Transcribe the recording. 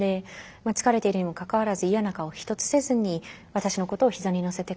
疲れているにもかかわらず嫌な顔ひとつせずに私のことを膝に乗せてくれて。